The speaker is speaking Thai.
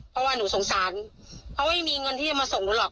เพราะว่าหนูสงสารเขาไม่มีเงินที่จะมาส่งหนูหรอก